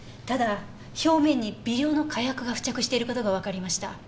ただ表面に微量の火薬が付着している事がわかりました。